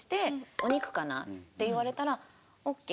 「お肉かな」って言われたら「オッケー」。